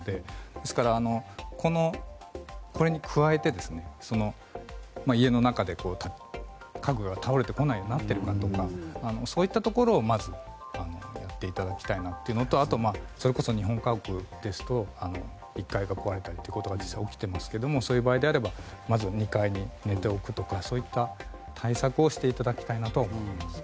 ですから、これに加えて家の中で家具が倒れてこないようになってるかとかそういったところをまず見ていただきたいのとあとは、それこそ日本家屋ですと１階が壊れたりということが実際起きていますがそういう場合であればまずは２階で寝ておくとかそういった対策をしていただきたいと思います。